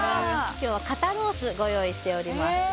今日は肩ロースご用意しております